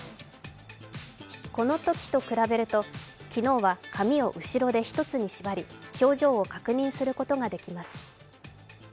このときと比べると、昨日は髪を後ろで一つに縛り、表情を確認することができます。